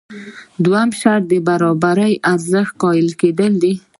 دویم شرط د برابر ارزښت قایل کېدل دي.